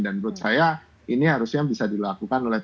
dan menurut saya ini harusnya bisa dilakukan oleh pak mahfud